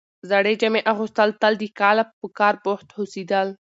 زړې جامې اغوستل تل د کاله په کار بوخت هوسېدل،